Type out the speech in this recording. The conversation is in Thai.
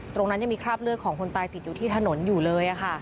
ตรงนั้นยังมีคราบเลือดของคนตายติดอยู่ที่ถนนอยู่เลย